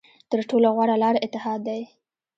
تر ټولو غوره لاره اتحاد دی.